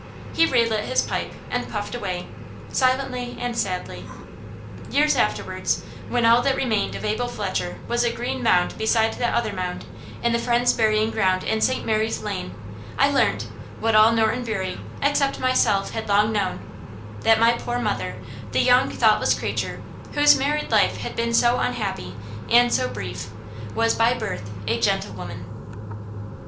He re lit his pipe, and puffed away, silently and sadly. Years afterwards, when all that remained of Abel Fletcher was a green mound beside that other mound, in the Friends' burying ground in St. Mary's Lane, I learnt what all Norton Bury, except myself, had long known that my poor mother, the young, thoughtless creature, whose married life had been so unhappy and so brief, was by birth a "gentlewoman."